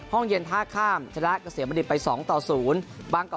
ห้องเย็นท่าข้ามชนะเกษียบันดิบไปสองต่อศูนย์บางกอร์